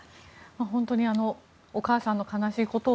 本当にお母さんの悲しいことを